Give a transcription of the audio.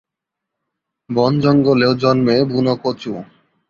বন-জঙ্গলেও জন্মে বুনো কচু।